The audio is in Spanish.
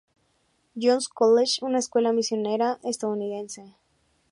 John's College" una escuela misionera estadounidense.